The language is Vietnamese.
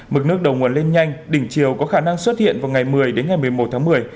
mực nước đầu nguồn lên nhanh đỉnh chiều có khả năng xuất hiện vào ngày một mươi đến ngày một mươi một tháng một mươi